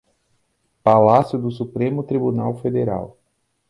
Palácio do Supremo Tribunal Federal